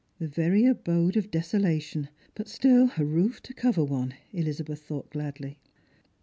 The very abode of desolation, but still a roof to cover one, EUzabeth thought gladly.